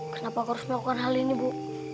kenapa aku harus melakukan hal ini bu